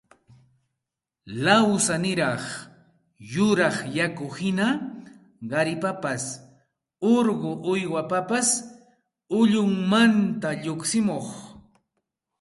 lawsaniraq yuraq yakuhina qaripapas urqu uywapapas ullunmanta lluqsimuq